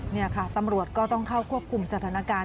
นี่ค่ะตำรวจก็ต้องเข้าควบคุมสถานการณ์